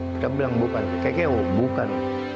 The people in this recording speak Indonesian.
saya bilang bukan kku bukan